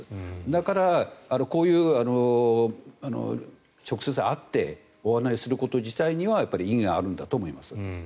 だから、こういう直接会ってご案内すること自体には意義があるんだと思います。